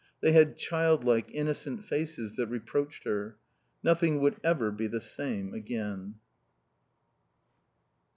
They had childlike, innocent faces that reproached her. Nothing would ever be the same again.